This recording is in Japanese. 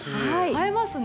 映えますよね。